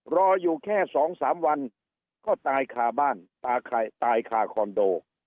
รออยู่แค่๒๓วันก็ตายคาบ้านตายคาคอนโด